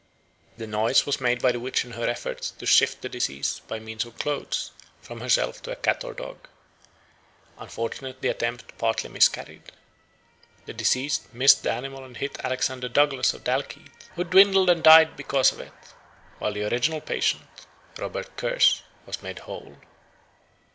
The noise was made by the witch in her efforts to shift the disease, by means of clothes, from herself to a cat or dog. Unfortunately the attempt partly miscarried. The disease missed the animal and hit Alexander Douglas of Dalkeith, who dwined and died of it, while the original patient, Robert Kers, was made whole.